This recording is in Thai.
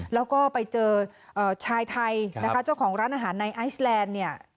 แล้วก็ไปเจอชายไทยนะคะเจ้าของร้านอาหารในไอซแลนด์เนี่ย